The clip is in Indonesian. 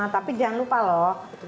tapi jangan lupa loh